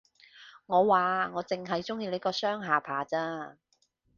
我話，我剩係鍾意你個雙下巴咋